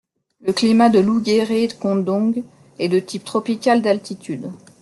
Le climat de Lougguéré Kondong est de type tropical d'altitude.